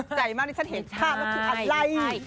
ตกใจมากนี่ฉันเห็นภาพเมื่อคืนอะไรใช่